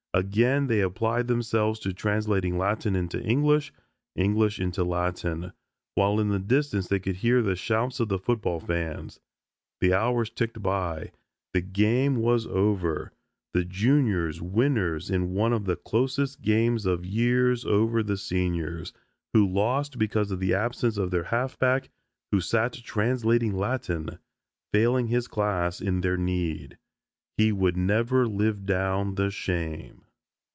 Again they applied themselves to translating Latin into English, English into Latin, while in the distance they could hear the shouts of the football fans. The hours ticked by. The game was over, the Juniors winners in one of the closest games of years over the Seniors, who lost because of the absence of their halfback who sat translating Latin, failing his class in their need. He would never live down the shame.